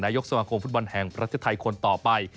ยกสมาคมฟุตบอลแห่งประเทศไทยคนต่อไป